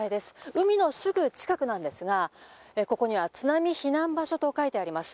海のすぐ近くなんですが、ここには「津波避難場所」と書いてあります。